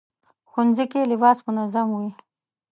ښوونځی کې لباس منظم وي